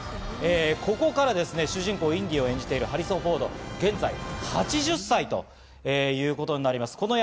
第１作は１９８１年、ここからですね、主人公・インディを演じているハリソン・フォード、現在８０歳ということになります。